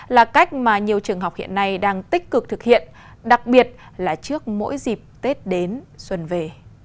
là cách mà nhiều trường học hiện nay đang tích cực thực hiện đặc biệt là trước mỗi dịp tết đến xuân về